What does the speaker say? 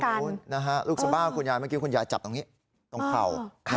ขอบคุณคุณนะฮะลูกสะบาดของคุณยาเมื่อกี้คุณยาจับตรงนี้ตรงเข่า